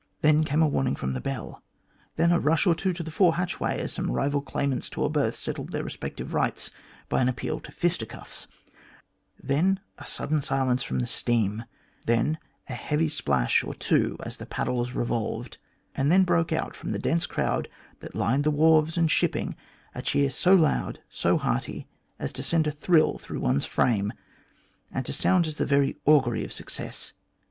Then came a warning from the bell, then a rush or two to the fore hatchway, as some rival claimants to a berth settled their respective rights by an appeal to fisticuffs,, then a sudden silence from the steam, then a heavy splash or two as the paddles revolved, and then broke out from the dense crowd that lined the wharves and shipping a cheer so loud, so hearty, as to send a thrill through one's frame, and to sound as the very augury of success.